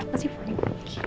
aku sih paling baik